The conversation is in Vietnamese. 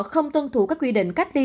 không tuân thủ các quy định cách ly